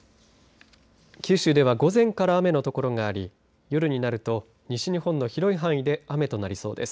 九州では午前から雨の所があり夜になると西日本の広い範囲で雨となりそうです。